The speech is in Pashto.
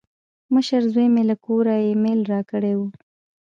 مشر زوی مې له کوره ایمیل راکړی و.